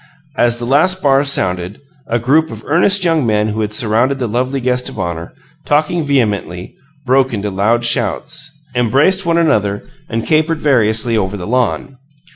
As the last bars sounded, a group of earnest young men who had surrounded the lovely guest of honor, talking vehemently, broke into loud shouts, embraced one another and capered variously over the lawn.